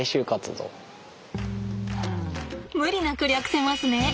無理なく略せますね。